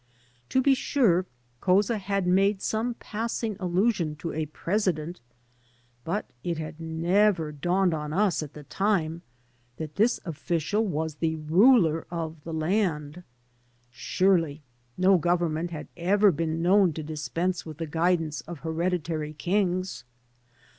To be sure, Couza had made some passing allusion to a President, but it had never dawned on us at the time that this official was the ruler of the land. Surely no government had ever been known to dispense with the guidance of hereditary kings.